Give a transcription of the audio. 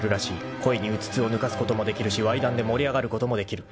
［恋にうつつを抜かすこともできるしわい談で盛り上がることもできる］